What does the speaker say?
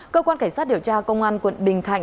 cơ quan cảnh sát điều tra công an quận bình thạnh